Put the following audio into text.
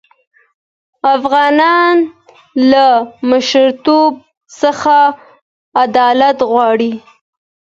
افغانان له مشرتوب څخه عدالت غواړي.